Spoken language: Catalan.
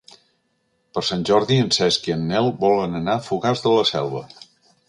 Per Sant Jordi en Cesc i en Nel volen anar a Fogars de la Selva.